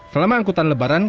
selama angkutan lebaran